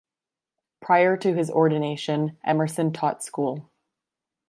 Prior to his ordination, Emerson taught school.